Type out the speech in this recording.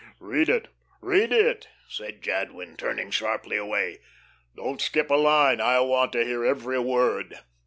"Read it, read it," said Jadwin, turning sharply away. "Don't skip a line. I want to hear every word."